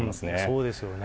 そうですよね。